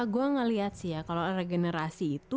gue ngelihat sih ya kalau ada generasi itu